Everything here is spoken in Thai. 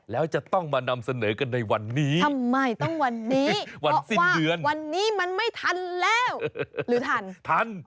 แล้วจะต้องมานำเสนอกันในวันนี้ทำไมต้องวันนี้วันนี้มันไม่ทันแล้วหรือทันทัน